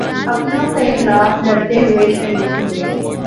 اپنوں کیخلاف لڑتے ہوئے شہید ہوئے